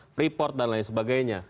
freeport dan lain sebagainya